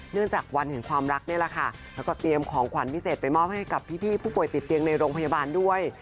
จากวันแห่งความรักนี่แหละค่ะแล้วก็เตรียมของขวัญพิเศษไปมอบให้กับพี่ผู้ป่วยติดเตียงในโรงพยาบาลด้วย